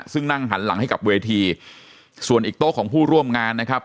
ซึ่งนั่งหันหลังให้กับเวทีส่วนอีกโต๊ะของผู้ร่วมงานนะครับ